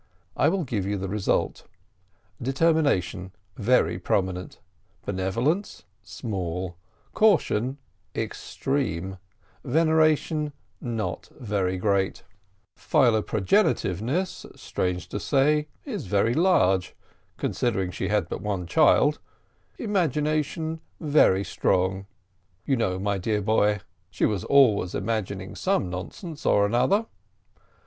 I will give you the result. Determination, very prominent; Benevolence, small; Caution, extreme; Veneration, not very great; Philo progenitiveness, strange to say, is very large, considering she has but one child; Imagination very strong: you know, my dear boy, she was always imagining some nonsense or another.